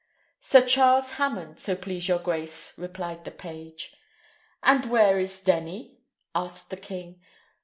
"Sir Charles Hammond, so please your grace," replied the page. "And where is Denny?" asked the king.